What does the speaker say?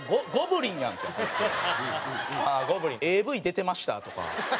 「ＡＶ出てました？」とか。